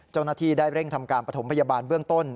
เจ้าหน้าที่ได้เร่งทำการประถมพยาบาลเบื้องต้น